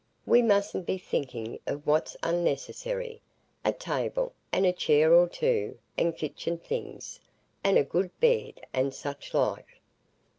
We mustn't be thinking o' what's unnecessary. A table, and a chair or two, and kitchen things, and a good bed, and such like.